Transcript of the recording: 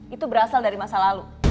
itu berasal dari masa lalu